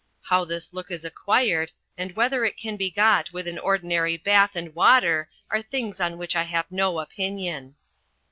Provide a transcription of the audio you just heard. How this look is acquired, and whether it can be got with an ordinary bath and water are things on which I have no opinion.